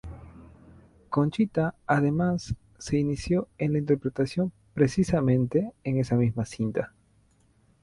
Conchita, además, se inició en la interpretación precisamente en esa misma cinta.